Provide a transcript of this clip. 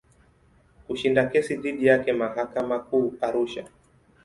Kushinda kesi dhidi yake mahakama Kuu Arusha.